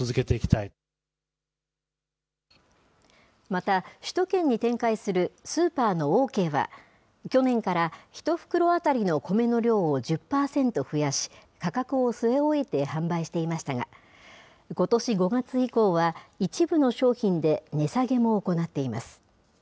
また、首都圏に展開するスーパーのオーケーは、去年から１袋当たりのコメの量を１０％増やし、価格を据え置いて販売していましたが、ことし５月以降は、一部の商品で値下げも行っています。